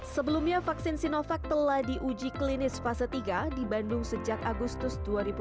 sebelumnya vaksin sinovac telah diuji klinis fase tiga di bandung sejak agustus dua ribu dua puluh